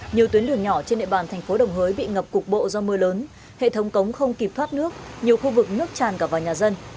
nhiều tuyến đường nhỏ trên địa bàn thành phố đồng hới bị ngập cục bộ do mưa lớn hệ thống cống không kịp thoát nước nhiều khu vực nước tràn cả vào nhà dân